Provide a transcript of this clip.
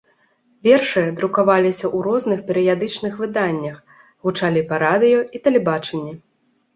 Вершы друкаваліся ў розных перыядычных выданнях, гучалі па радыё і тэлебачанні.